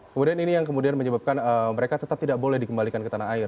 kemudian ini yang kemudian menyebabkan mereka tetap tidak boleh dikembalikan ke tanah air